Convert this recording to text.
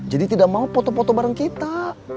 jadi tidak mau foto foto bareng kita